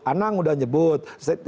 anang udah nyebut